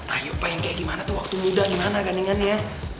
ayo pak yang kayak gimana tuh waktu muda gimana gandengan ya